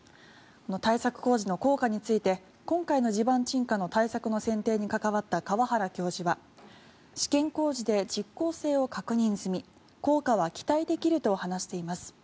対策工事の効果について今回の地盤沈下の対策の選定に関わった河原教授は試験工事で実効性を確認済み効果は期待できると話しています。